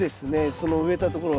その植えたところを。